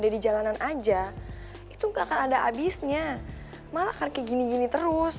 deddy jalanan aja itu nggak akan ada abisnya malah akan kayak gini gini terus